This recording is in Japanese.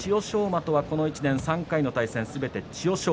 馬とはこの１年３回の対戦すべて千代翔